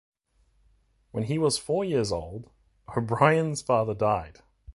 When he was four years old, O'Brien's father died.